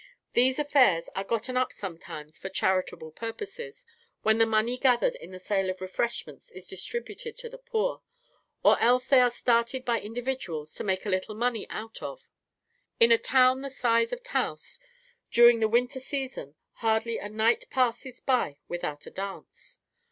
These affairs are gotten up sometimes for charitable purposes, when the money gathered in the sale of refreshments is distributed to the poor; or else they are started by individuals to make a little money out of. In a town the size of Taos, during the winter season, hardly a night passes by without a dance.